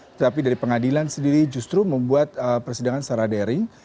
tetapi dari pengadilan sendiri justru membuat persidangan secara daring